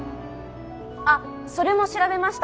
あっそれも調べました。